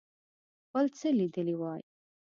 بل څه لیدلي وای.